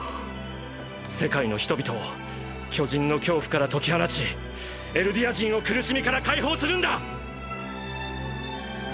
世界の人々を巨人の恐怖から解き放ちエルディア人を苦しみから解放するんだ！！